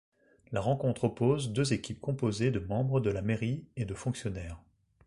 La rencontre oppose deux équipes composées de membres de la mairie et de fonctionnaires.